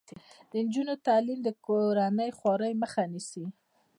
د نجونو تعلیم د کورنۍ خوارۍ مخه نیسي.